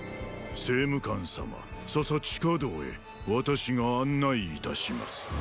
政務官様ささ地下道へ私が案内致します。